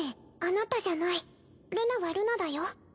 あなたじゃないルナはルナだよ。